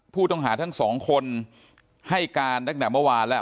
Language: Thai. ผู้ต้องหาทั้งสองคนให้การตั้งแต่เมื่อวานแล้ว